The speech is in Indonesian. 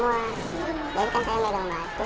jadi kan saya megang batu